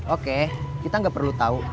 oke kita nggak perlu tahu